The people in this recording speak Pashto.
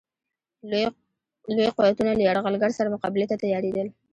لوی قوتونه له یرغلګر سره مقابلې ته تیارېدل.